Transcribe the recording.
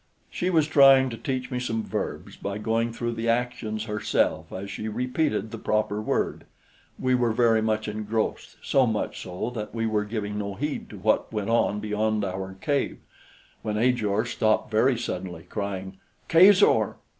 She was trying to teach me some verbs by going through the actions herself as she repeated the proper word. We were very much engrossed so much so that we were giving no heed to what went on beyond our cave when Ajor stopped very suddenly, crying: "Kazor!"